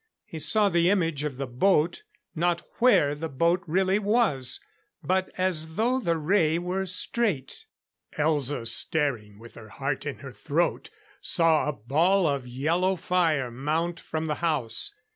He saw the image of the boat not where the boat really was but as though the ray were straight. Elza, staring with her heart in her throat, saw a ball of yellow fire mount from the house.